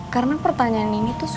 karena pertanyaan ini tuh sulit